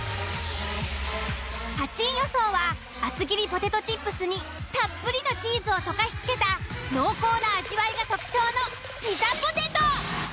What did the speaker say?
８位予想は厚切りポテトチップスにたっぷりのチーズを溶かし付けた濃厚な味わいが特徴のピザポテト。